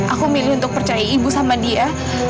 aku milih untuk percaya ibu sama dia